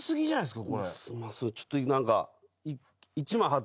ちょっと何か。